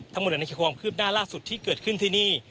ทั้งหมดอันนี้คือความคืบหน้าล่าสุดที่เกิดขึ้นที่นี่